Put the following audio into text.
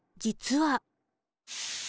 実は。